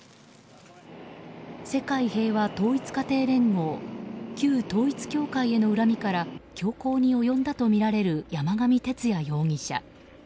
世界平和統一家庭連合・旧統一教会への恨みから凶行に及んだとみられる山上徹也容疑者。